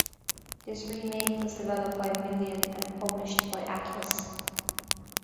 This remake was developed by Million and published by Atlus.